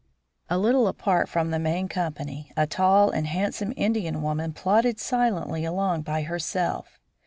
A little apart from the main company a tall and handsome Indian woman plodded silently along by herself.